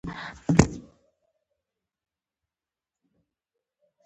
خطرناکه قوه بدل شي.